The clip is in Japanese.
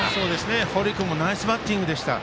堀君もナイスバッティングでした。